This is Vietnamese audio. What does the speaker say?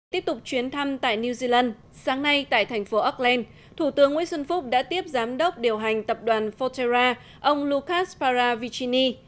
tiếp tục chuyến thăm tại new zealand sáng nay tại thành phố auckland thủ tướng nguyễn xuân phúc đã tiếp giám đốc điều hành tập đoàn fotera ông lucas para vichini